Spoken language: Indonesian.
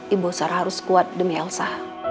ibu sarah harus kuat demi elsa